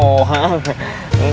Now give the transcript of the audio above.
engga aku gak fokus